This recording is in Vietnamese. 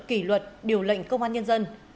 kỷ luật điều lệnh công an nhân dân